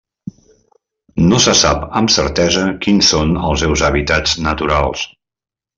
No se sap amb certesa quins són els seus hàbitats naturals.